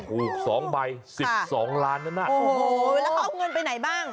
ถูก๒ใบ๑๒ล้านนั้นน่ะโอ้โหแล้วเขาเอาเงินไปไหนบ้าง